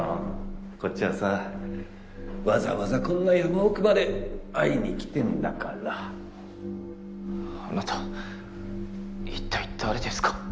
こっちはさわざわざこんな山奥まで会いに来てんだからあなた一体誰ですか？